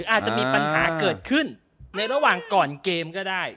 อาจจะมีปัญหาเกิดขึ้นในระหว่างก่อนเกมก็ได้